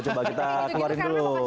coba kita keluarin dulu